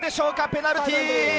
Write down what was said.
ペナルティー。